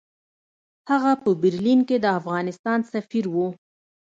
هغه په برلین کې د افغانستان سفیر وو.